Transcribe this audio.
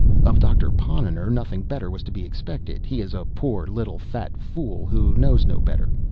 Of Doctor Ponnonner nothing better was to be expected. He is a poor little fat fool who knows no better.